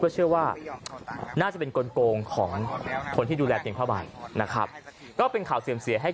เชื่อว่าน่าจะเป็นกลงของคนที่ดูแลเตียงผ้าใบนะครับก็เป็นข่าวเสื่อมเสียให้